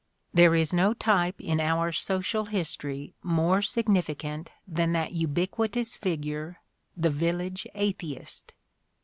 There is no type in our social history more significant than that ubiquitous figure, the "village atheist."